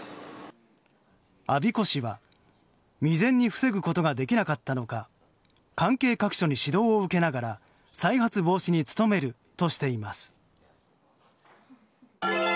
我孫子市は、未然に防ぐことができなかったのか関係各所に指導を受けながら再発防止に努めるとしています。